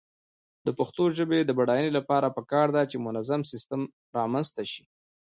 د پښتو ژبې د بډاینې لپاره پکار ده چې منظم سیسټم رامنځته شي.